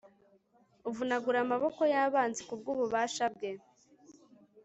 uvunagura amaboko y'abanzi ku bw'ububasha bwe